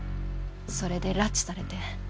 それで拉致されて。